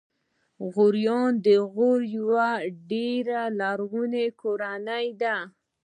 غوریان د غور یوه ډېره لرغونې کورنۍ ده.